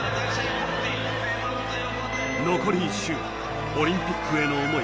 残り１周、オリンピックへの思い。